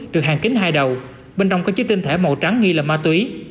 được hàng kính hai đầu bên trong có chứa tinh thể màu trắng nghi là ma túy